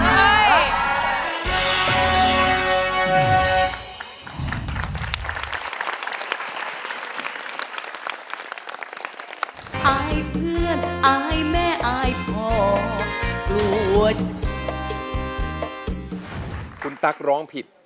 อายตั๊กร้องผิด